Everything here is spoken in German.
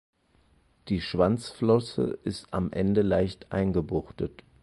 Die Schwanzflosse ist am Ende leicht eingebuchtet.